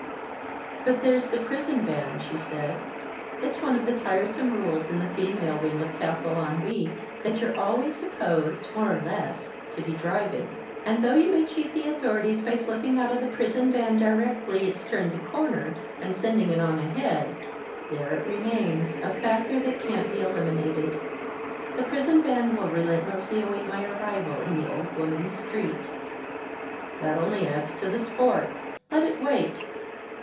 "But there's the prison van," she said. "It's one of the tiresome rules in the female wing of Castle Ennui that you're always supposed, more or less, to be driving. And though you may cheat the authorities by slipping out of the prison van directly it's turned the corner, and sending it on ahead, there it remains, a factor that can't be eliminated. The prison van will relentlessly await my arrival in the old woman's street." "That only adds to the sport. Let it wait.